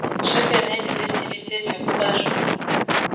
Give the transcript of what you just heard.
Chaque année les festivités durent trois jours.